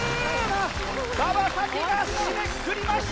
馬場咲希が締めくくりました！